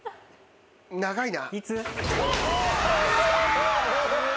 長いな。